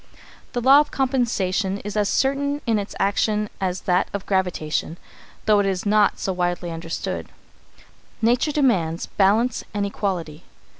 The law of compensation is as certain in its action as that of gravitation, though it is not so widely understood. Nature demands balance and equality.